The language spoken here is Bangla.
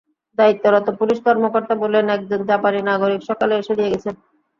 দায়িত্বরত পুলিশ কর্মকর্তা বললেন, একজন জাপানি নাগরিক সকালে এসে দিয়ে গেছেন।